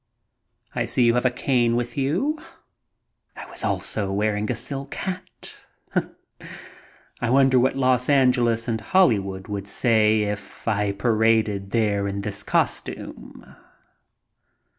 "I see you have a cane with you." I was also wearing a silk hat. I wonder what Los Angeles and Holly wood would say if I paraded there in this costume